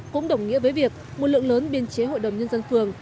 cũng đồng nghĩa với việc một lượng lớn biên chế hội đồng nhân dân phường